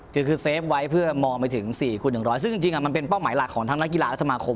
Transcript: คือเซฟไว้เพื่อมองไปถึง๔คูณ๑๐๐ซึ่งจริงมันเป็นเป้าหมายหลักของทั้งนักกีฬาและสมาคม